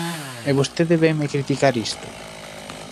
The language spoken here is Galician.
E vostede vénme criticar isto.